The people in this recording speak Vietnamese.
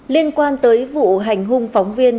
liên quan tới vụ hành hung phóng viên